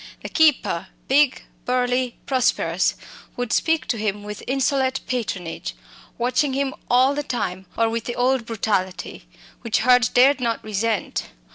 The keeper big, burly, prosperous would speak to him with insolent patronage, watching him all the time, or with the old brutality, which Hurd dared not resent.